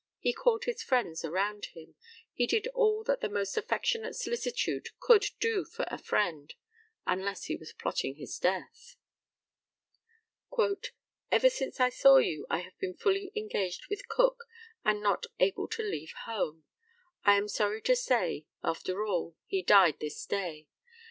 He called his friends around him. He did all that the most affectionate solicitude could do for a friend, unless he was plotting his death. "Ever since I saw you I have been fully engaged with Cook, and not able to leave home. I am sorry to say, after all, he died this day.